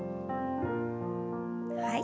はい。